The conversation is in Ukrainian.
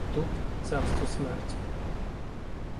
Тут — царство смерті.